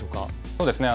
そうですね。